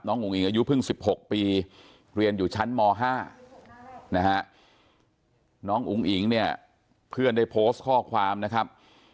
อุ้งอิงอายุเพิ่ง๑๖ปีเรียนอยู่ชั้นม๕นะฮะน้องอุ๋งอิ๋งเนี่ยเพื่อนได้โพสต์ข้อความนะครับ